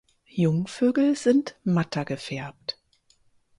Jungvögel sind matter gefärbt.